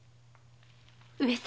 上様。